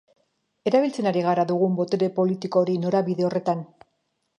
Erabiltzen ari gara dugun botere politiko hori norabide horretan?